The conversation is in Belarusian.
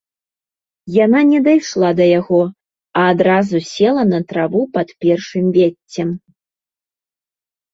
Яна не дайшла да яго, а адразу села на траву пад першым веццем.